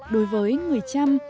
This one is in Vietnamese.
đối với người chăm